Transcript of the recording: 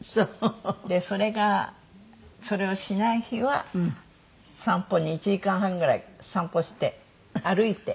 それがそれをしない日は散歩に１時間半ぐらい散歩して歩いて。